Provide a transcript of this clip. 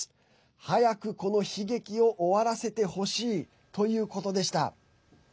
早く、この悲劇を終わらせてほしいということでした。